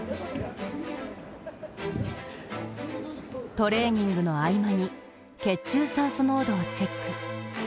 トレーニングの合間に血中酸素濃度をチェック。